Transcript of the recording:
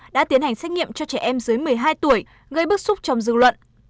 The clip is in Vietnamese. đã tiến hành xét nghiệm cho trẻ em dưới một mươi hai tuổi gây bức xúc trong dư luận